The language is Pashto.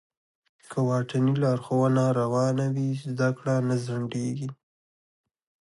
که واټني لارښوونه روانه وي، زده کړه نه ځنډېږي.